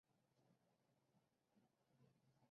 福州疍民渔歌来源于福州疍民的水上生活。